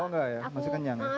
oh enggak ya masih kenyang